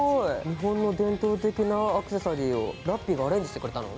日本の伝統的なアクセサリーをラッピィがアレンジしてくれたの？